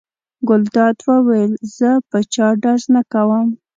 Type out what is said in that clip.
ګلداد وویل: زه په چا ډز نه کوم.